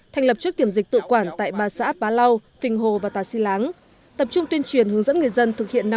thành lập chốt kiểm dịch tự quản tại ba xã bá lau phình hồ và tà si láng tập trung tuyên truyền hướng dẫn người dân thực hiện